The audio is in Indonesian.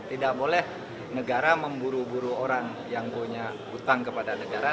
tidak boleh negara memburu buru orang yang punya hutang kepada negara